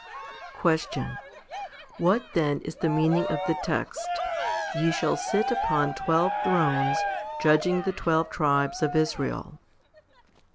6. Question. What then is the meaning of the text, Ye shall sit upon twelve thrones, judging the twelve tribes of Israel?